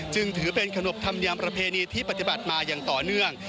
จึงถือเป็นขนบธรรมยามประเพณีที่ปฏิบัติมาอย่างต่อเนื่อง